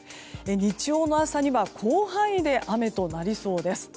日曜の朝には、広範囲で雨となりそうです。